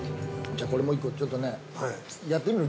◆これも一個、ちょっとねやってみる？